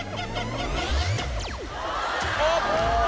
あっ！